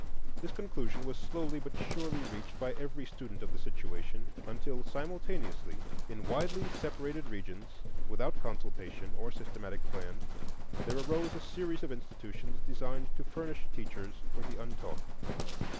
This conclusion was slowly but surely reached by every student of the situation until simultaneously, in widely separated regions, without consultation or systematic plan, there arose a series of institutions designed to furnish teachers for the untaught.